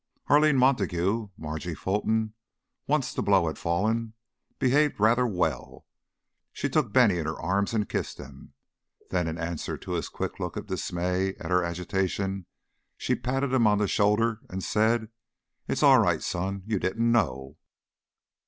Arline Montague Margie Fulton once the blow had fallen, behaved rather well; she took Bennie in her arms and kissed him, then in answer to his quick look of dismay at her agitation, she patted him on the shoulder and said: "It's all right, son. You didn't know."